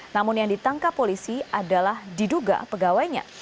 namun yang ditangkap polisi adalah diduga pegawainya